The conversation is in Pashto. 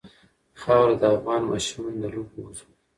خاوره د افغان ماشومانو د لوبو موضوع ده.